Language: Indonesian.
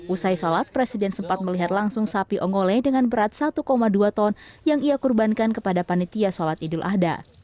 usai sholat presiden sempat melihat langsung sapi ongole dengan berat satu dua ton yang ia kurbankan kepada panitia sholat idul adha